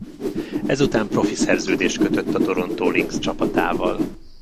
Ezután profi szerződést kötött a Toronto Lynx csapatával.